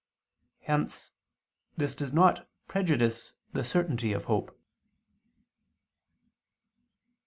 Hence this does not prejudice the certainty of hope.